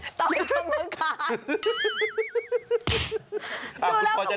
ต่อยกับกรรมการ